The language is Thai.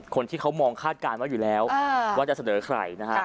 คนที่เขามองคาดการณ์ไว้อยู่แล้วว่าจะเสนอใครนะฮะ